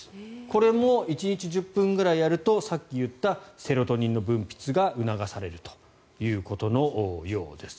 これも１日１０分ぐらいやるとさっき言ったセロトニンの分泌が促されるということです。